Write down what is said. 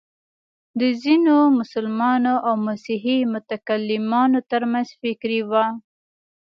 د ځینو مسلمانو او مسیحي متکلمانو تر منځ فکري وه.